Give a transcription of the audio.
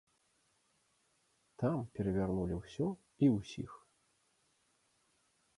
Там перавярнулі ўсё і ўсіх.